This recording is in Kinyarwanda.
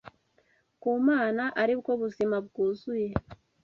ku Mana ari bwo buzima bwuzuye